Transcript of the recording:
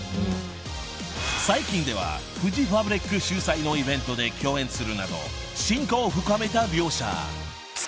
［最近ではフジファブリック主催のイベントで共演するなど親交を深めた両者］